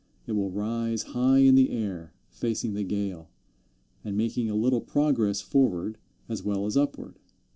It will rise high in the air, facing the gale, and making a little progress forward as well as upward.